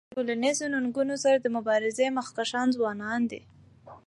د ټولنیزو ننګونو سره د مبارزی مخکښان ځوانان دي.